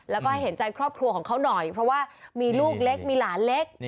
แล้วก็เห็นใจครอบครัวของเขาหน่อยเพราะว่ามีลูกเล็กมีหลานเล็ก